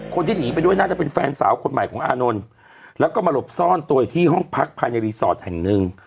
คนที่หนีไปด้วยน่าจะเป็นแฟนสาวคนใหม่ของอานนท์แล้วก็มาหลบซ่อนตัวอยู่ที่ห้องพักภายในรีสอร์ทแห่งหนึ่ง